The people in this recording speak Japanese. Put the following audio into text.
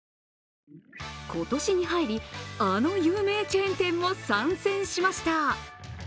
今年に入り、あの有名チェーン店も参戦しました。